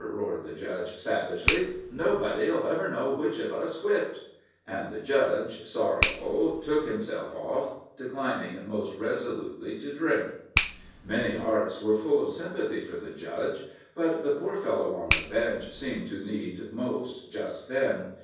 roared the Judge, savagely; "nobody'll ever know which of us whipped." And the Judge sorrowfully took himself off, declining most resolutely to drink. Many hearts were full of sympathy for the Judge; but the poor fellow on the bench seemed to need most just then.